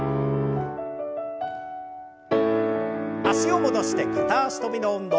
脚を戻して片脚跳びの運動。